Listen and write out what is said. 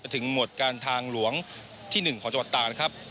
ถึงหมวดการทางหลวงที่๑ของจังหวัดตานะครับ